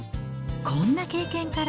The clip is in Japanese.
こんな経験から。